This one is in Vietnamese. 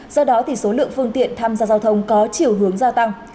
do đó thì số lượng phương tiện tham gia giao thông có chiều hướng gia tăng